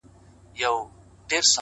• د انسان کمال یې نه وو پېژندلی ,